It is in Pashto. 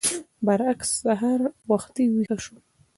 برعکس سهار وختي ويښه شوم.